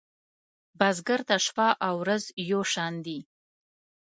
بزګر ته شپه ورځ یو شان دي